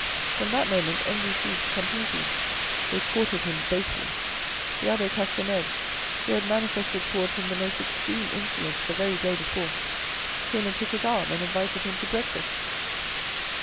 From that moment envy ceased completely. They courted him basely. The abbe Castanede, who had manifested towards him the most extreme insolence the very day before, came and took his arm and invited him to breakfast.